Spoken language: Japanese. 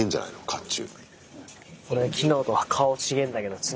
甲冑。